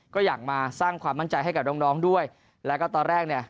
ก็อยากมาสร้างความมั่นใจให้กับน้องน้องด้วยแล้วก็ตอนแรกเนี่ย